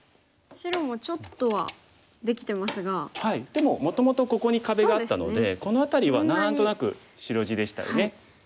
でももともとここに壁があったのでこの辺りは何となく白地でしたよね。